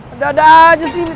ada ada aja sih